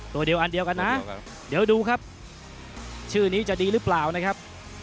ตัวเดียวอันเดียวกันนะเดี๋ยวดูครับชื่อนี้จะดีหรือเปล่านะครับ